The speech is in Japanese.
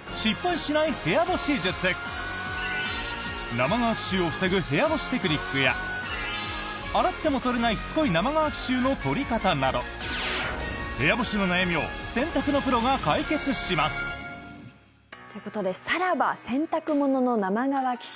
生乾き臭を防ぐ部屋干しテクニックや洗っても取れないしつこい生乾き臭の取り方など部屋干しの悩みを洗濯のプロが解決します！ということでさらば洗濯物の生乾き臭！